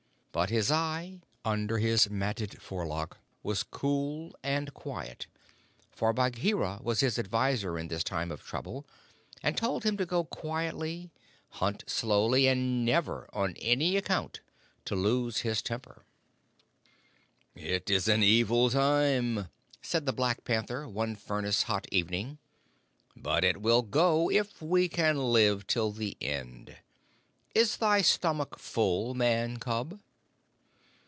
But his eye, under his matted forelock, was cool and quiet, for Bagheera was his adviser in this time of trouble, and told him to go quietly, hunt slowly, and never, on any account, to lose his temper. "It is an evil time," said the Black Panther, one furnace hot evening, "but it will go if we can live till the end. Is thy stomach full, Man cub?"